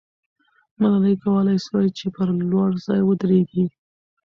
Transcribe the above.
ملالۍ کولای سوای چې پر لوړ ځای ودریږي.